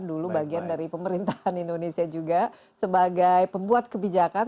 dulu bagian dari pemerintahan indonesia juga sebagai pembuat kebijakan